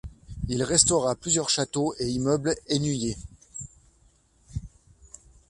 Il restaura plusieurs châteaux et immeubles hainuyers.